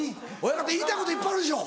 ・親方言いたいこといっぱいあるでしょ？